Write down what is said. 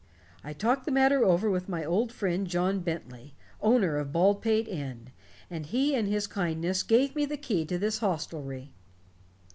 I talked the matter over with my old friend, John Bentley, owner of Baldpate Inn, and he in his kindness gave me the key to this hostelry."